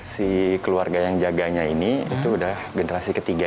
si keluarga yang jaganya ini itu udah generasi ketiga